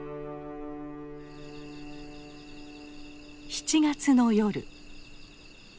７月の夜。